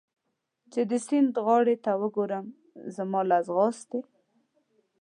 چې د سیند غاړې ته وګورم، زما له ځغاستې.